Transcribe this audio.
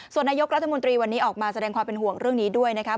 ส่วนนายกรัฐมนตรีวันนี้ออกมาแสดงความเป็นห่วงเรื่องนี้ด้วยนะครับ